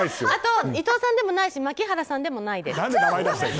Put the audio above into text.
あと伊藤さんでもないし牧原さんでもないです。